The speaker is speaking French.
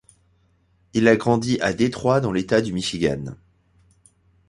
Il a grandi à Détroit dans l'État du Michigan.